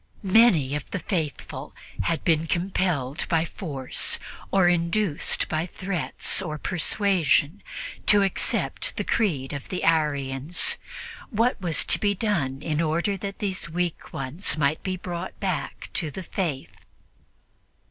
Many of the faithful had been compelled by force or induced by threats or persuasion to accept the creed of the Arians; what was to be done in order that these weak ones might be brought back to the Faith?